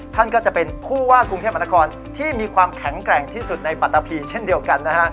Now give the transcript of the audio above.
ท่านก็จะเป็นผู้ว่ากรุงเทพมหานครที่มีความแข็งแกร่งที่สุดในปัตตาพีเช่นเดียวกันนะฮะ